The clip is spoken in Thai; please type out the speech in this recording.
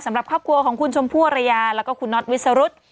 สำหรับครอบครัวของคุณชมพู่อรยาแล้วก็คุณน็อตวิสรุธ